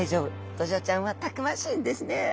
ドジョウちゃんはたくましいんですね。